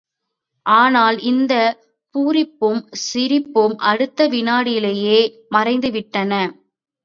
ஆனால், இந்தப் பூரிப்பும், சிரிப்பும் அடுத்த விநாடியிலேயே மறைந்து விட்டன.